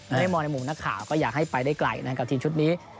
ตอนนี้มองในมุมนักข่าวก็อยากให้ไปได้ไกลกับทีมชุดนี้